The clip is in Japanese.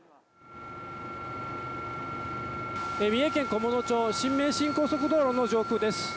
三重県菰野町新名神高速道路の上空です。